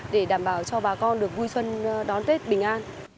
để đảm bảo cho bà con được vui xuân đón tết bình an